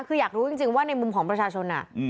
คืออยากรู้จริงว่าในมุมของประชาชน